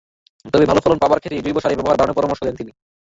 তবে ভালো ফলন পাওয়ার ক্ষেত্রে জৈবসারের ব্যবহার বাড়ানোর পরামর্শ দেন তিনি।